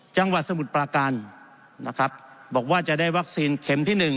สมุทรปราการนะครับบอกว่าจะได้วัคซีนเข็มที่หนึ่ง